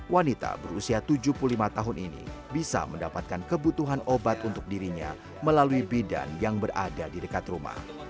wanita berusia tujuh puluh lima tahun ini bisa mendapatkan kebutuhan obat untuk dirinya melalui bidan yang berada di dekat rumah